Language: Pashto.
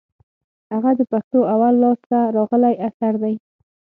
هغه د پښتو اول لاس ته راغلى اثر دئ.